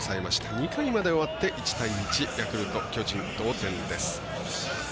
２回まで終わってヤクルト、巨人、同点です。